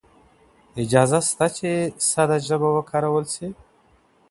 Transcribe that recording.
اجازه شته چې ساده ژبه وکارول شي.